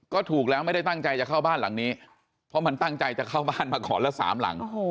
ก็ถูกแล้วไม่ได้ตั้งใจจะเข้าบ้านหลังนี้เพราะมันตั้งใจจะเข้าบ้านมาขอละสามหลัง